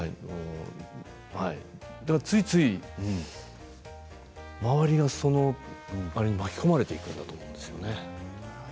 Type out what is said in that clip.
だからついつい周りが巻き込まれていくんだと思うんですよね。